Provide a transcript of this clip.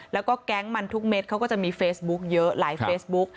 แล้วก็แก๊งมันทุกเม็ดเขาก็จะมีเฟซบุ๊กเยอะหลายเฟซบุ๊ก